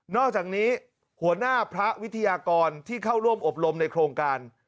อกจากนี้หัวหน้าพระวิทยากรที่เข้าร่วมอบรมในโครงการ